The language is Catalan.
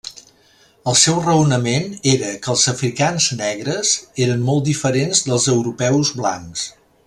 El seu raonament era que els africans negres eren molt diferents dels europeus blancs.